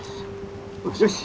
よし。